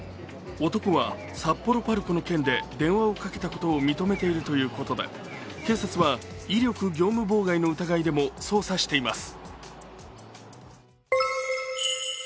男は、札幌ＰＡＲＣＯの件で電話をかけたことを認めているということで警察は威力業務妨害の疑いでも捜査しています。